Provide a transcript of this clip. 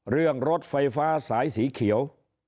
เรื่องรถไฟฟ้าสายสีเขียว